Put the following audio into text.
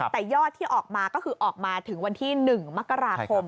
แต่ยอดที่ออกมาก็คือออกมาถึงวันที่๑มกราคม